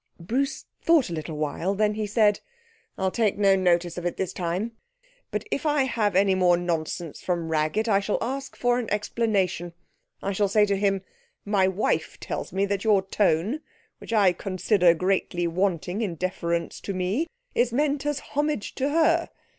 Bruce thought a little while, then he said 'I'll take no notice of it this time. But if I have any more nonsense from Raggett, I shall ask for an explanation. I shall say to him, "My wife tells me that your tone, which I consider greatly wanting in deference to me, is meant as homage to her!